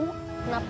kenapa gak mau